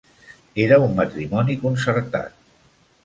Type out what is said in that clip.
Era un matrimoni concertat.